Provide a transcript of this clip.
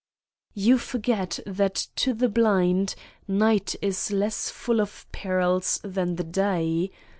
"You forget that to the blind, night is less full of perils than the day.